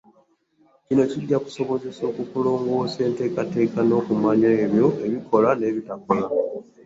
Kino kijja kusobozesaa okulongoosa enteekateeka n’okumanya ebyo ebikola n’ebitakola.